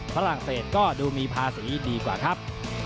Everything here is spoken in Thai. ฝรั่งเศสก็ดูมีภาษีดีกว่าครับ